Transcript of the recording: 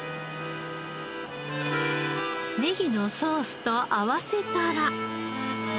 ネギのソースと合わせたら。